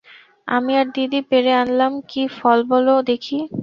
আমি আর দিদি পেড়ে আনলাম-কি ফল বলো দেখি?